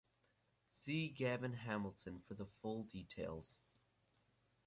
See Gavin Hamilton for the full details.